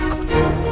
nanti kita ke rumah